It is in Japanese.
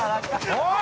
おい！